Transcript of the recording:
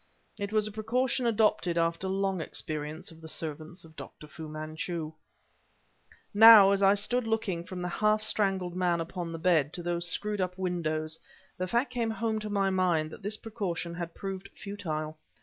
It was a precaution adopted after long experience of the servants of Dr. Fu Manchu. Now, as I stood looking from the half strangled man upon the bed to those screwed up windows, the fact came home to my mind that this precaution had proved futile.